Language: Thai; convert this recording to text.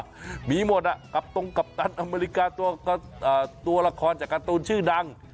หนีหมดกับตรงกัปตันอเมริกาตัวละครจากการ์ตูนชื่อดัง